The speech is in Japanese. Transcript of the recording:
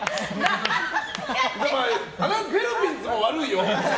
ペルピンズも悪いよ。